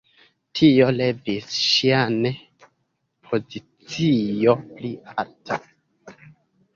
Tio levis ŝian pozicion pli alta.